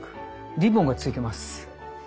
リボンがついてます。